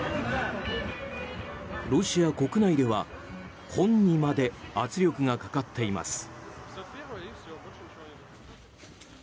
ロシア国内では本にまで圧力がかかっています。